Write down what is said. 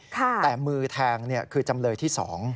แต่มือแทงคือจำเลยที่๒